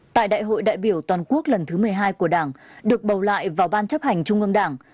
tại đại hội đại biểu toàn quốc lần thứ một mươi hai của đảng được bầu lại vào ban chấp hành trung ương đảng